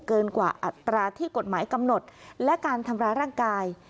เกินกว่าอัตราที่กฎหมายกำหนดและการทำร้ายร่างกาย